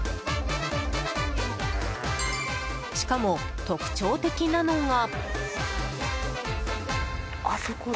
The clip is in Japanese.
しかも、特徴的なのが。